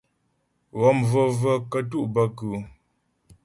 Ghɔm vəvə kətú' bə kʉ́ʉ́ ?